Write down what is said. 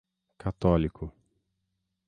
católico